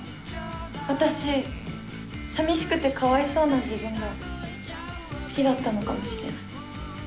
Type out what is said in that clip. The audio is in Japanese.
私さみしくてかわいそうな自分が好きだったのかもしれない。